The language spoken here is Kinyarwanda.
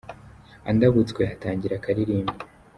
Andabutswe atangira akaririmbo